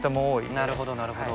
なるほどなるほど。